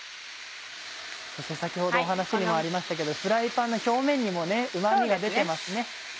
先ほどお話にもありましたけどフライパンの表面にもうま味が出てますね。